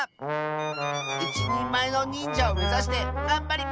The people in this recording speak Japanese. いちにんまえのにんじゃをめざしてがんばります！